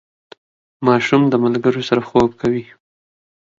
ماشوم د ملګرو سره خوب کوي.